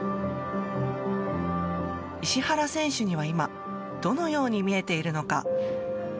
石原選手には今どのように見えているのか。